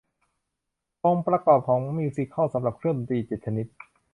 องค์ประกอบของมิวสิคัลสำหรับเครื่องดนตรีเจ็ดชนิด